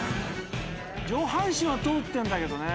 上半身は通ってんだけどね。